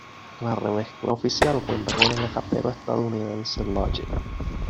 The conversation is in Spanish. La remezcla oficial cuenta con el rapero estadounidense "Logic".